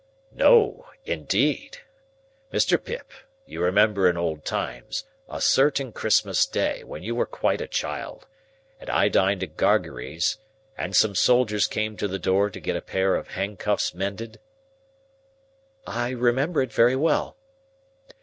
"No, indeed. Mr. Pip, you remember in old times a certain Christmas Day, when you were quite a child, and I dined at Gargery's, and some soldiers came to the door to get a pair of handcuffs mended?" "I remember it very well."